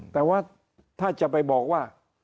แต่ว่าถ้าจะไปบอกว่า